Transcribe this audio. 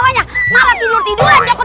ya ya mungkink andu alku